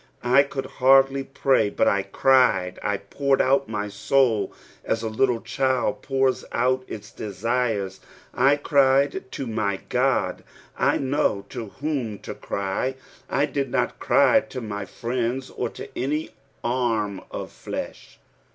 I could hardly pray, but I cried ; I poured out my aoul aa a little cliild poura out its desires. I cried to my God : I knew to whom to cry ; I did not cry to my friends, or to any arm of flesh.